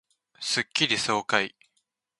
スッキリ爽快